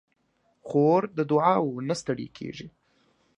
خور د دعاوو نه ستړې کېږي.